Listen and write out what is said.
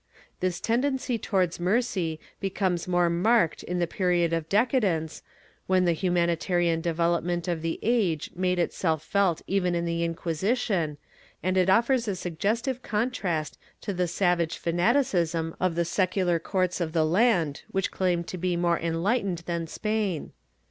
^ This tendency towards mercy becomes more marked in the period of decadence, when the humanitarian devel opment of the age made itself felt even in the Inquisition, and it offers a suggestive contrast to the savage fanaticism of the secular courts of a land which claimed to be more enlightened than Spain.